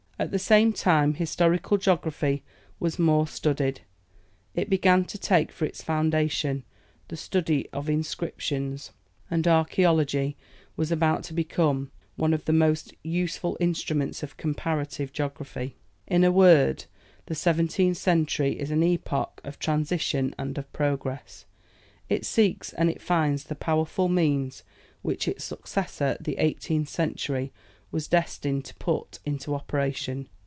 At the same time, historical geography was more studied; it began to take for its foundation the study of inscriptions, and archæology was about to become one of the most useful instruments of comparative geography. In a word, the seventeenth century is an epoch of transition and of progress; it seeks and it finds the powerful means which its successor, the eighteenth century, was destined to put into operation.